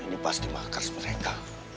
ini pasti mahkas mereka